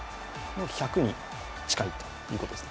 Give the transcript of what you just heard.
１００に近いということですね？